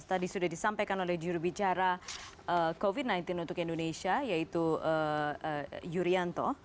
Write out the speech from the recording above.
tadi sudah disampaikan oleh jurubicara covid sembilan belas untuk indonesia yaitu yurianto